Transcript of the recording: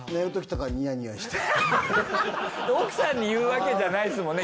奥さんに言うわけじゃないですもんね。